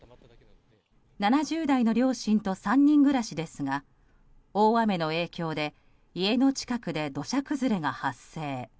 ７０代の両親と３人暮らしですが大雨の影響で家の近くで土砂崩れが発生。